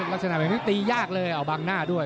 ลักษณะหมายมีกว่าตียากเลยเอาบังหน้าด้วย